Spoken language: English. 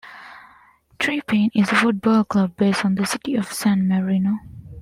Tre Penne is a football club based in the City of San Marino.